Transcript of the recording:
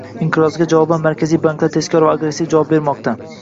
Inqirozga javoban, markaziy banklar tezkor va agressiv javob bermoqda